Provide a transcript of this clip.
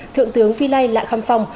thượng tướng phi lây lạ khăm phong